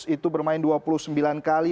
itu bermain dua puluh sembilan kali